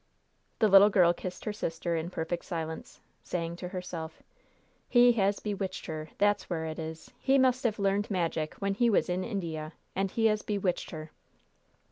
The little girl kissed her sister in perfect silence, saying to herself: "He has bewitched her there's where it is! He must have learned magic when he was in India, and he has bewitched her!"